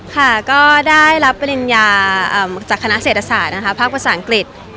ค่ะก็ได้รับปริญญาจากคณะเศรษฐศาสตร์นะคะภาคภาษาอังกฤษเกรดนิยมดำ๑ค่ะ